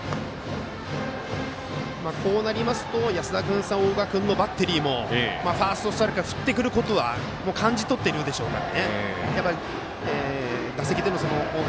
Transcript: こうなりますと安田君、大賀君のバッテリーもファーストストライクから振ってくることは感じ取っているでしょうから。